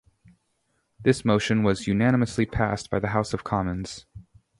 This motion was unanimously passed by the House of Commons.